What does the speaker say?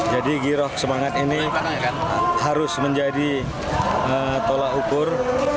jadi giroh semangat ini harus menjadi tolak ukur